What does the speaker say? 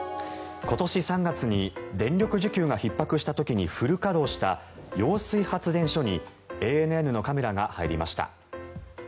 今年３月に電力需給がひっ迫した時にフル稼働した揚水発電所にＡＮＮのカメラが入りました。